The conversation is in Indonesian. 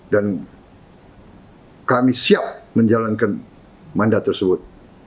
dan kami siap menjalankan mandat tersebut